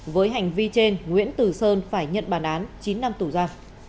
với hành vi trên nguyễn từ sơn phải nhận bàn án chín năm tù gia